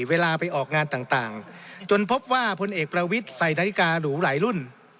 เวลาไปออกงานต่างจนพบว่าพลเอกประวิทย์ใส่นาฬิกาหรูหลายรุ่น